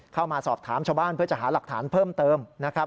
เข้ามาสอบถามชาวบ้านเพื่อจะหาหลักฐานเพิ่มเติมนะครับ